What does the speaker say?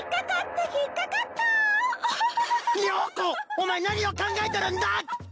お前何を考えとるんだ！